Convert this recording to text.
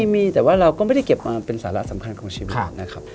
มีแต่ว่าเราก็ไม่ได้เก็บมาเป็นสาระสำคัญของชีวิตนะครับ